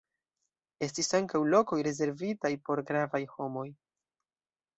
Estis ankaŭ lokoj rezervitaj por gravaj homoj.